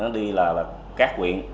đi là các huyện